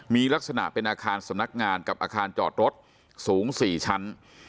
มีลักษณะเป็นอาคารสำนักงานกับอาคารจอดรถสูง๔ชั้น